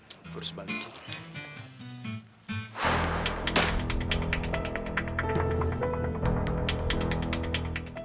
gua harus balikin